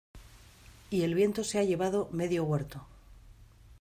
y el viento se ha llevado medio huerto.